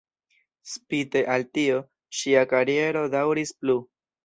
Spite al tio, ŝia kariero daŭris plu.